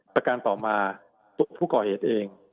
ประการต่อมาผู้ก่อเหตุเอง